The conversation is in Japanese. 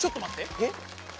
えっ？